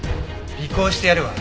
尾行してやるわ。